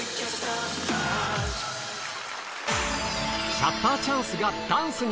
シャッターチャンスがダンスに。